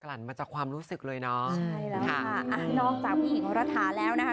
ลั่นมาจากความรู้สึกเลยเนาะใช่แล้วค่ะอ่ะนอกจากผู้หญิงระถาแล้วนะคะ